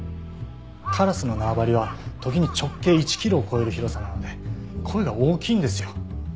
カラスの縄張りは時に直径１キロを超える広さなので声が大きいんですよ。